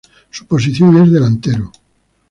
Su posición es delantero.